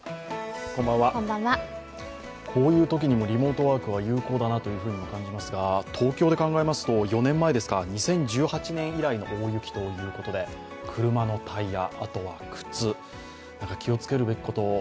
こういうときにもリモートワークは有効だなと思いますが東京で考えますと、４年前、２０１８年以来の大雪ということで車のタイヤ、靴、気をつけるべきこと